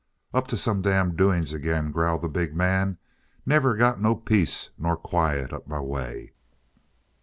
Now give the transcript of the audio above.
"Up to some damn doings again," growled the big man. "Never got no peace nor quiet up my way."